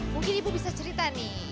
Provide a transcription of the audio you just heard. mungkin ibu bisa cerita nih